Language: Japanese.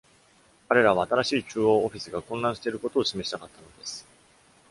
彼らは、新しい中央オフィスが混乱していることを示したかったのです。